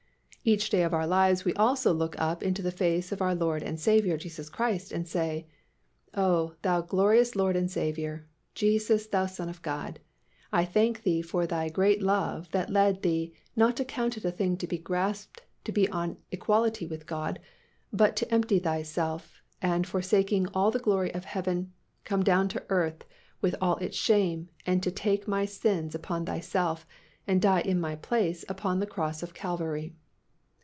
Each day of our lives we also look up into the face of our Lord and Saviour, Jesus Christ, and say, "Oh, Thou glorious Lord and Saviour, Jesus Thou Son of God, I thank Thee for Thy great love that led Thee not to count it a thing to be grasped to be on equality with God but to empty Thyself and forsaking all the glory of heaven, come down to earth with all its shame and to take my sins upon Thyself and die in my place upon the cross of Calvary."